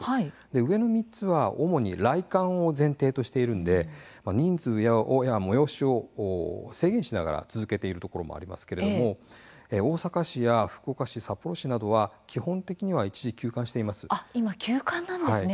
上の３つは主に来館を前提としているので人数や催しを制限しながら続けているところもありますけれども大阪市や福岡市、札幌市などは基本的に一時休館しています。